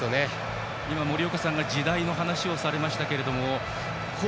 今、森岡さんが時代の話をされましたが。